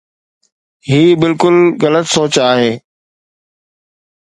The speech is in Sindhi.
هي بلڪل غلط سوچ آهي.